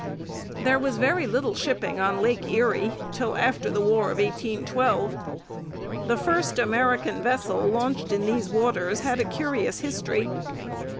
There was very little shipping on Lake Erie till after the War of 1812. The first American vessel launched in these waters had a curious history.